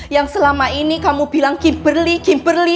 yang selama ini kamu bilang kimberly kimberly